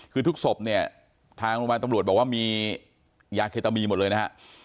คือทุกศพเนี่ยทางโรงพยาบาลตำรวจบอกว่ามียาเคตามีหมดเลยนะฮะ